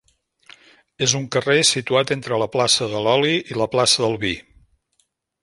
És un carrer situat entre la plaça de l'Oli i la plaça del Vi.